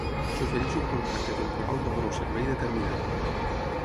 S'ofereix un contracte temporal d'obra o servei determinat.